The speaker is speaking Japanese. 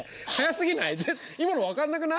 今の分かんなくない？